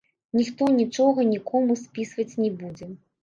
Ніхто нічога нікому спісваць не будзе.